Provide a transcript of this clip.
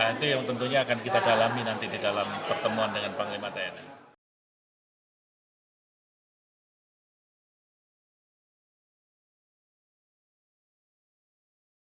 nah itu yang tentunya akan kita dalami nanti di dalam pertemuan dengan panglima tni